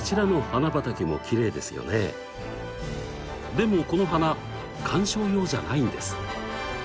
でもこの花観賞用じゃないんです。